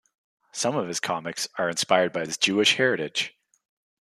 Some of his comics are inspired by his Jewish heritage.